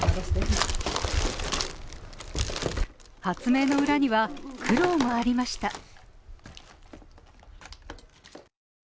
発明の裏には苦労もありました。